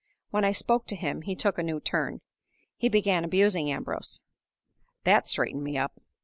When I spoke to him he took a new turn; he began abusing Ambrose. That straightened me up.